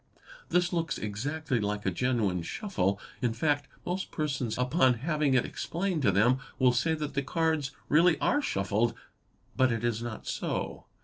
This looks exactly like a genuine shuffle. In fact, most persons upon having it explained to them will say that the cards really are shuffled, but it is not so.